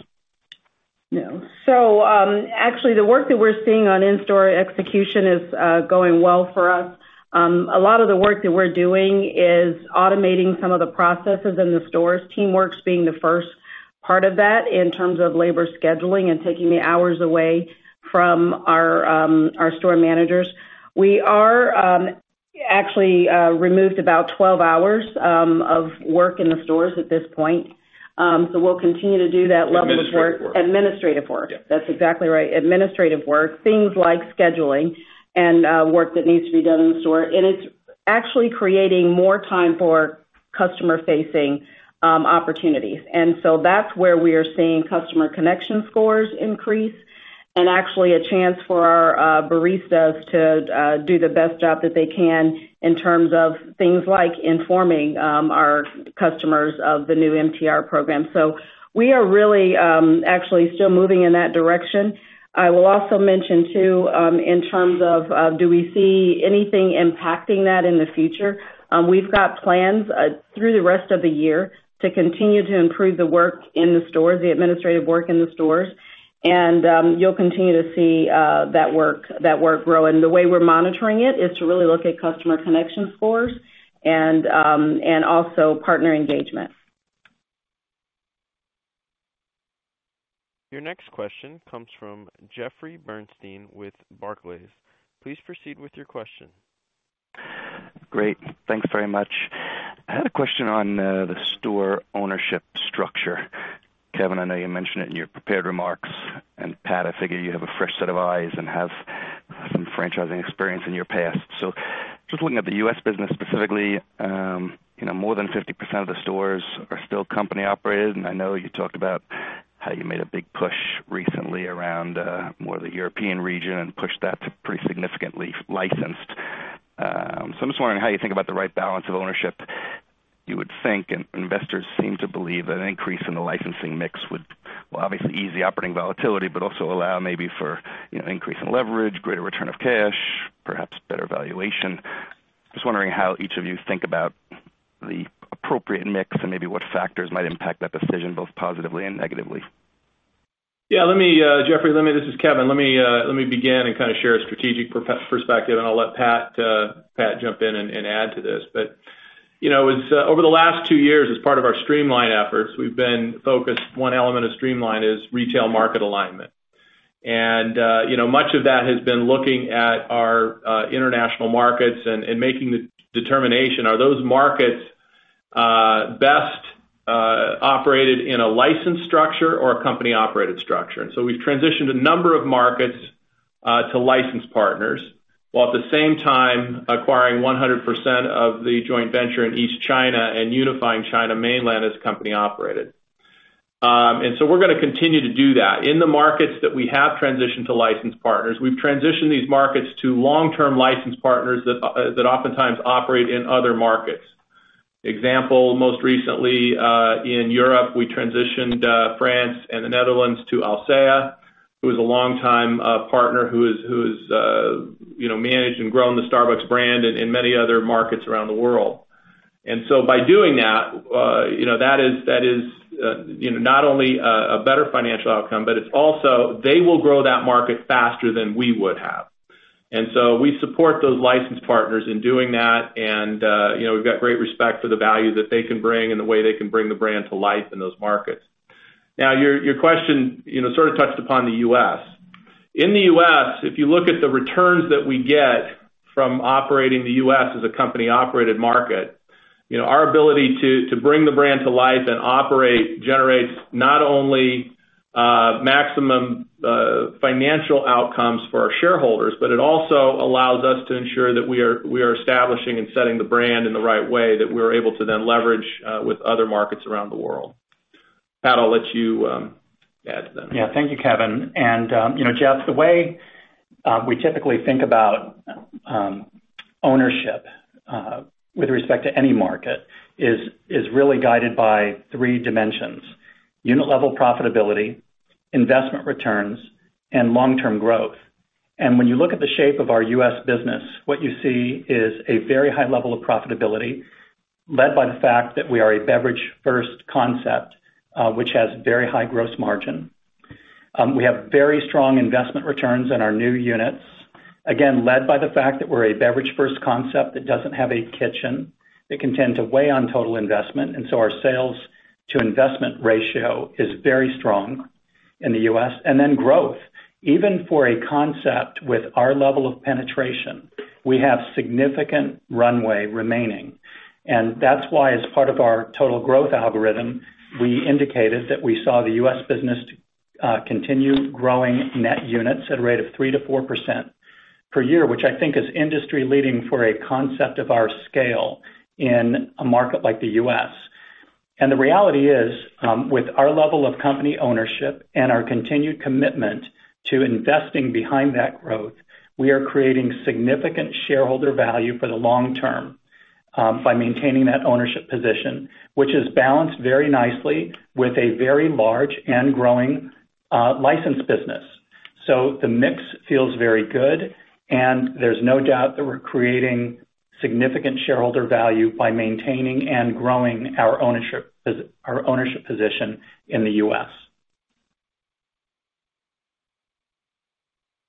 G: No. Actually the work that we're seeing on in-store execution is going well for us. A lot of the work that we're doing is automating some of the processes in the stores, Teamworks being the first part of that in terms of labor scheduling and taking the hours away from our store managers. We are actually removed about 12 hours of work in the stores at this point. We'll continue to do that level of work.
C: Administrative work.
G: Administrative work. Yeah. That's exactly right. Administrative work, things like scheduling and work that needs to be done in the store, and it's actually creating more time for customer-facing opportunities. That's where we are seeing customer connection scores increase, and actually a chance for our baristas to do the best job that they can in terms of things like informing our customers of the new MTR program. We are really actually still moving in that direction. I will also mention too, in terms of do we see anything impacting that in the future? We've got plans through the rest of the year to continue to improve the work in the stores, the administrative work in the stores, and you'll continue to see that work grow. The way we're monitoring it is to really look at customer connection scores and also partner engagement.
A: Your next question comes from Jeffrey Bernstein with Barclays. Please proceed with your question.
O: Great. Thanks very much. I had a question on the store ownership structure. Kevin, I know you mentioned it in your prepared remarks, and Pat, I figure you have a fresh set of eyes and have some franchising experience in your past. Just looking at the U.S. business specifically, more than 50% of the stores are still company operated, and I know you talked about how you made a big push recently around more the European region and pushed that to pretty significantly licensed. I'm just wondering how you think about the right balance of ownership. You would think, and investors seem to believe that an increase in the licensing mix would, well, obviously ease the operating volatility, but also allow maybe for increase in leverage, greater return of cash, perhaps better valuation. Just wondering how each of you think about the appropriate mix and maybe what factors might impact that decision both positively and negatively.
C: Yeah, Jeffrey, this is Kevin. Let me begin and share a strategic perspective, and I'll let Pat jump in and add to this. Over the last two years, as part of our streamline efforts, we've been focused, one element of streamline is retail market alignment. Much of that has been looking at our international markets and making the determination, are those markets best operated in a licensed structure or a company-operated structure? We're going to continue to do that. In the markets that we have transitioned to licensed partners, we've transitioned these markets to long-term licensed partners that oftentimes operate in other markets. Example, most recently, in Europe, we transitioned France and the Netherlands to Alsea, who is a long-time partner who's managed and grown the Starbucks brand in many other markets around the world. By doing that is not only a better financial outcome, but it's also they will grow that market faster than we would have. We support those licensed partners in doing that, and we've got great respect for the value that they can bring and the way they can bring the brand to life in those markets. Now, your question sort of touched upon the U.S. In the U.S., if you look at the returns that we get from operating the U.S. as a company-operated market, our ability to bring the brand to life and operate generates not only maximum financial outcomes for our shareholders, but it also allows us to ensure that we are establishing and setting the brand in the right way that we're able to then leverage with other markets around the world. Pat, I'll let you add to that.
D: Yeah. Thank you, Kevin. Jeff, the way we typically think about ownership with respect to any market is really guided by three dimensions, unit level profitability, investment returns, and long-term growth. When you look at the shape of our U.S. business, what you see is a very high level of profitability led by the fact that we are a beverage-first concept, which has very high gross margin. We have very strong investment returns in our new units, again, led by the fact that we're a beverage-first concept that doesn't have a kitchen that can tend to weigh on total investment, so our sales to investment ratio is very strong in the U.S. Then growth. Even for a concept with our level of penetration, we have significant runway remaining. That's why as part of our total growth algorithm, we indicated that we saw the U.S. business continue growing net units at a rate of 3%-4% per year, which I think is industry leading for a concept of our scale in a market like the U.S. The reality is, with our level of company ownership and our continued commitment to investing behind that growth, we are creating significant shareholder value for the long term by maintaining that ownership position, which is balanced very nicely with a very large and growing license business. The mix feels very good, and there's no doubt that we're creating significant shareholder value by maintaining and growing our ownership position in the U.S.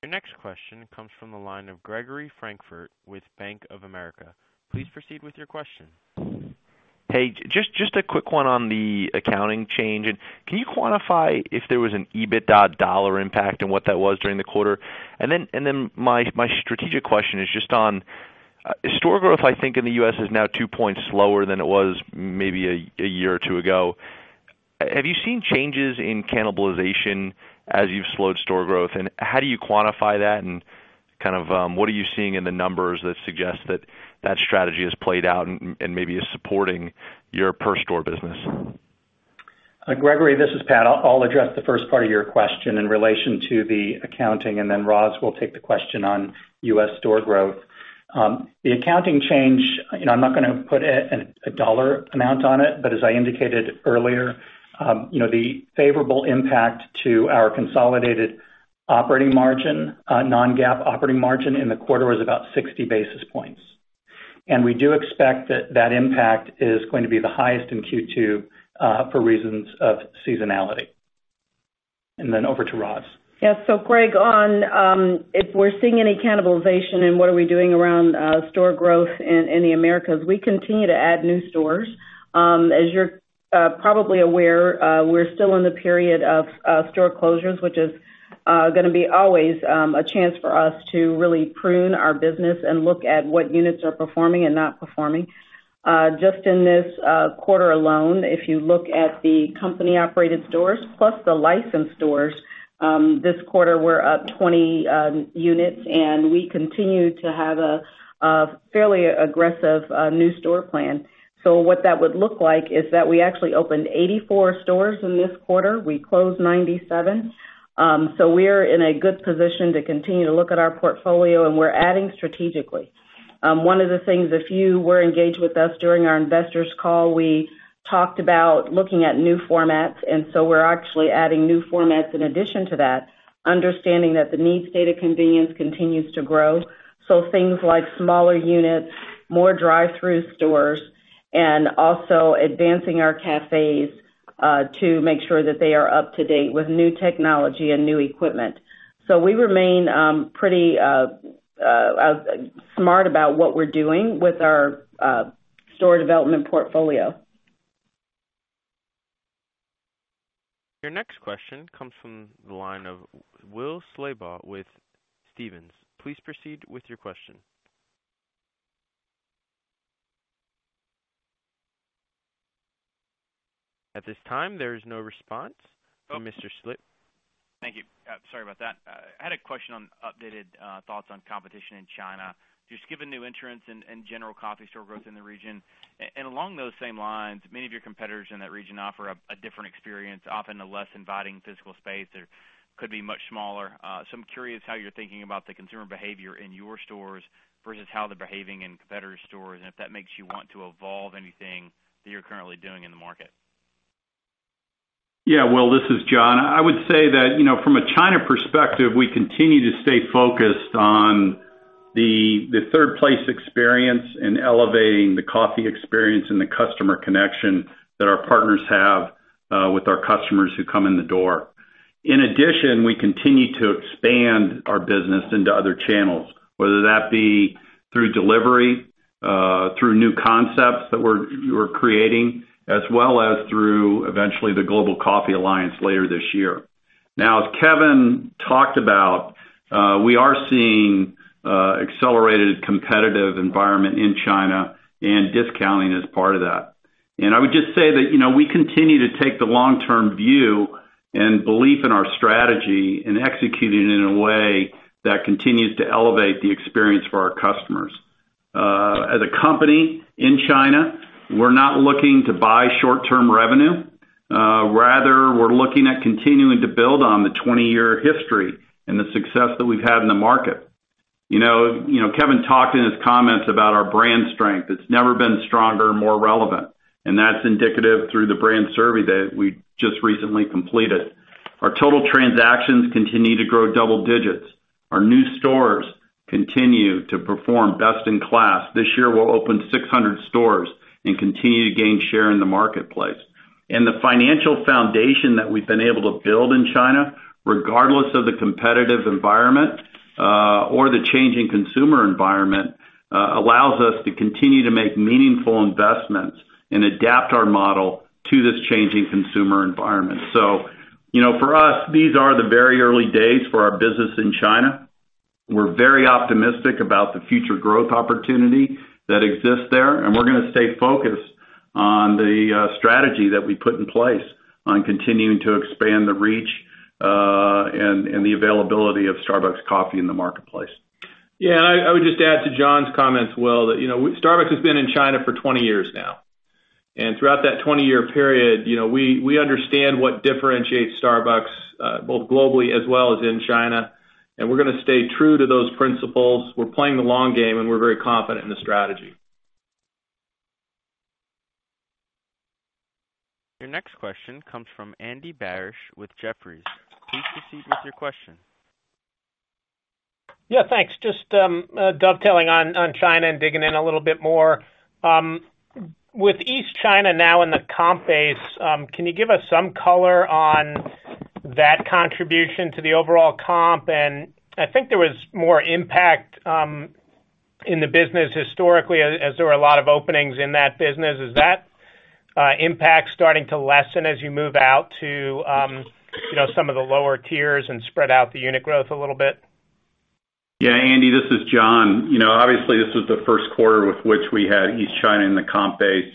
A: Your next question comes from the line of Gregory Francfort with Bank of America. Please proceed with your question.
P: Just a quick one on the accounting change. Can you quantify if there was an EBITDA dollar impact and what that was during the quarter? My strategic question is just on store growth, I think, in the U.S. is now two points lower than it was maybe a year or two ago. Have you seen changes in cannibalization as you've slowed store growth, and how do you quantify that, and what are you seeing in the numbers that suggests that that strategy has played out and maybe is supporting your per store business?
D: Gregory, this is Pat. I'll address the first part of your question in relation to the accounting. Roz will take the question on U.S. store growth. The accounting change, I'm not going to put a dollar amount on it, as I indicated earlier, the favorable impact to our consolidated operating margin, non-GAAP operating margin in the quarter was about 60 basis points. We do expect that that impact is going to be the highest in Q2 for reasons of seasonality. Over to Roz.
G: Greg, on if we're seeing any cannibalization and what are we doing around store growth in the Americas, we continue to add new stores. As you're probably aware, we're still in the period of store closures, which is going to be always a chance for us to really prune our business and look at what units are performing and not performing. Just in this quarter alone, if you look at the company-operated stores plus the licensed stores, this quarter we're up 20 units. We continue to have a fairly aggressive new store plan. What that would look like is that we actually opened 84 stores in this quarter. We closed 97. We're in a good position to continue to look at our portfolio. We're adding strategically. One of the things, if you were engaged with us during our investors call, we talked about looking at new formats. We're actually adding new formats in addition to that, understanding that the needs state of convenience continues to grow. Things like smaller units, more drive-thru stores, advancing our cafes, to make sure that they are up to date with new technology and new equipment. We remain pretty smart about what we're doing with our store development portfolio.
A: Your next question comes from the line of Will Slabaugh with Stephens. Please proceed with your question. At this time, there is no response from Mr.
Q: Thank you. Sorry about that. I had a question on updated thoughts on competition in China, just given new entrants and general coffee store growth in the region. Along those same lines, many of your competitors in that region offer a different experience, often a less inviting physical space or could be much smaller. I'm curious how you're thinking about the consumer behavior in your stores versus how they're behaving in competitor stores, and if that makes you want to evolve anything that you're currently doing in the market.
I: Yeah. Will, this is John. I would say that from a China perspective, we continue to stay focused on the third place experience and elevating the coffee experience and the customer connection that our partners have with our customers who come in the door. In addition, we continue to expand our business into other channels, whether that be through delivery, through new concepts that we're creating, as well as through, eventually, the Global Coffee Alliance later this year. Now, as Kevin talked about, we are seeing accelerated competitive environment in China, discounting is part of that. I would just say that we continue to take the long-term view and belief in our strategy and executing it in a way that continues to elevate the experience for our customers. As a company in China, we're not looking to buy short-term revenue. Rather, we're looking at continuing to build on the 20-year history and the success that we've had in the market. Kevin talked in his comments about our brand strength. It's never been stronger and more relevant, and that's indicative through the brand survey that we just recently completed. Our total transactions continue to grow double digits. Our new stores continue to perform best in class. This year, we'll open 600 stores and continue to gain share in the marketplace. The financial foundation that we've been able to build in China, regardless of the competitive environment, or the changing consumer environment, allows us to continue to make meaningful investments and adapt our model to this changing consumer environment. For us, these are the very early days for our business in China. We're very optimistic about the future growth opportunity that exists there, we're going to stay focused On the strategy that we put in place on continuing to expand the reach and the availability of Starbucks Coffee in the marketplace.
C: I would just add to John's comments, Will, that Starbucks has been in China for 20 years now. Throughout that 20-year period, we understand what differentiates Starbucks both globally as well as in China, and we're going to stay true to those principles. We're playing the long game, and we're very confident in the strategy.
A: Your next question comes from Andy Barish with Jefferies. Please proceed with your question.
R: Thanks. Just dovetailing on China and digging in a little bit more. With East China now in the comp base, can you give us some color on that contribution to the overall comp? I think there was more impact in the business historically as there were a lot of openings in that business. Is that impact starting to lessen as you move out to some of the lower tiers and spread out the unit growth a little bit?
I: Yeah, Andy, this is John. Obviously, this was the first quarter with which we had East China in the comp base.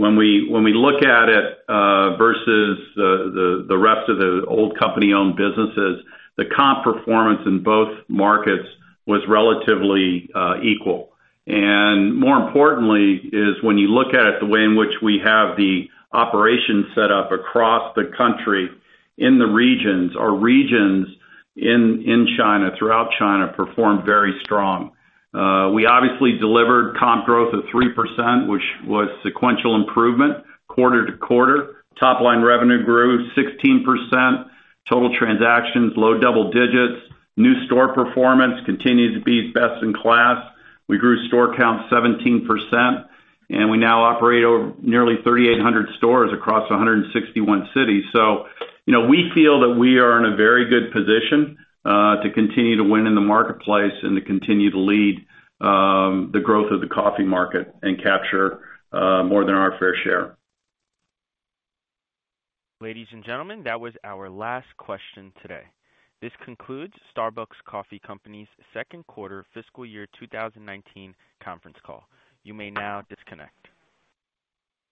I: When we look at it versus the rest of the old company-owned businesses, the comp performance in both markets was relatively equal. More importantly is when you look at it, the way in which we have the operations set up across the country in the regions, our regions in China, throughout China, performed very strong. We obviously delivered comp growth of 3%, which was sequential improvement quarter-to-quarter. Topline revenue grew 16%. Total transactions, low double digits. New store performance continues to be best in class. We grew store count 17%, and we now operate over nearly 3,800 stores across 161 cities. We feel that we are in a very good position to continue to win in the marketplace and to continue to lead the growth of the coffee market and capture more than our fair share.
A: Ladies and gentlemen, that was our last question today. This concludes Starbucks Coffee Company's second quarter fiscal year 2019 conference call. You may now disconnect.